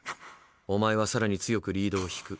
お前はさらに強くリードを引く。